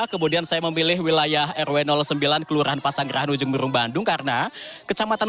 kemudian saya memilih wilayah rw sembilan kelurahan pasanggerahan ujung berung bandung karena kecamatan